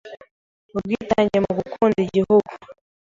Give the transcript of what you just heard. Ubwitange mugukunda igihugu